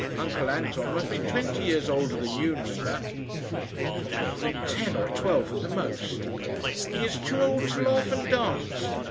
Uncle Anton must be twenty years older than you, Nina." "Not more than ten or twelve at the most." "He is too old to laugh and dance."